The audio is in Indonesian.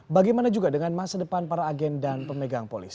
bagaimana juga dengan masa depan para agen dan pemegang polis